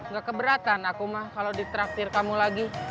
gak keberatan aku mah kalau ditraktir kamu lagi